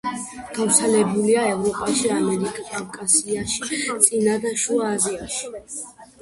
გავრცელებულია ევროპაში, ამიერკავკასიაში, წინა და შუა აზიაში.